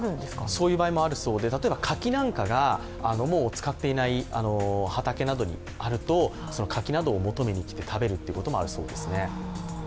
そういう場合もあるそうで例えば柿などがもう使っていない畑にあるとその柿などを求めに来て食べるってこともあるそうですね。